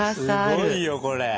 すごいよこれ。